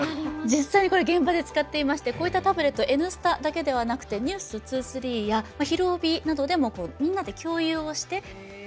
実際にこれ現場で使っていましてこういったタブレット「Ｎスタ」だけではなくて「ｎｅｗｓ２３」や「ひるおび」などでもみんなで共有をして。